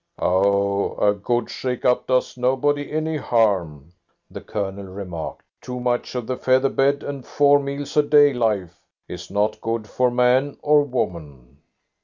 "Oh, a good shake up does nobody any harm," the Colonel remarked. "Too much of the feather bed and four meals a day life is not good for man or woman."